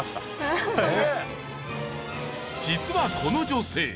実はこの女性。